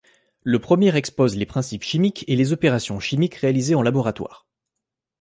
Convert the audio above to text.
Le premier expose les principes chimiques et les opérations chimiques réalisées en laboratoire.